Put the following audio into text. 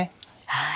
はい。